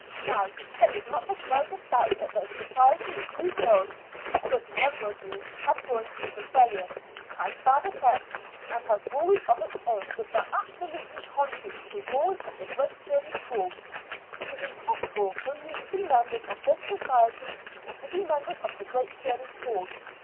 Now, there is not the slightest doubt that the society which you girls a certain number of you have joined is rebellious, has bad effects, and has rules of its own which are absolutely contrary to the rules of the Great Shirley School. It is impossible for you to be members of this society and to be members of the Great Shirley School.